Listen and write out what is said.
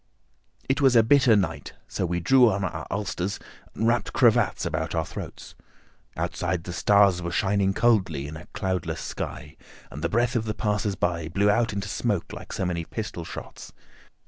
It was a bitter night, so we drew on our ulsters and wrapped cravats about our throats. Outside, the stars were shining coldly in a cloudless sky, and the breath of the passers by blew out into smoke like so many pistol shots.